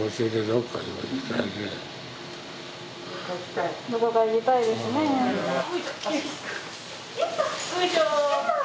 よいしょ。